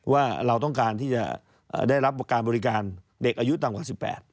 ว่าเราต้องการที่จะได้รับการบริการเด็กอายุต่ำกว่า๑๘